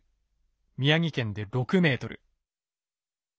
宮城県で６ｍ。